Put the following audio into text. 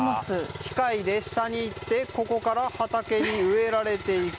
機械で下に行ってここから畑に植えられていく。